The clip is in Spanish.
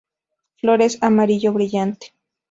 Flores amarillo brillante.